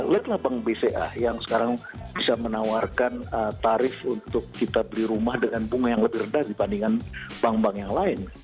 lihatlah bank bca yang sekarang bisa menawarkan tarif untuk kita beli rumah dengan bunga yang lebih rendah dibandingkan bank bank yang lain